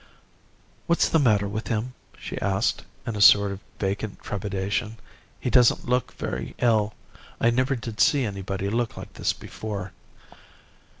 "'What's the matter with him?' she asked in a sort of vacant trepidation. 'He doesn't look very ill. I never did see anybody look like this before....